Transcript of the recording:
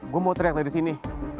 gue mau teriak dari sini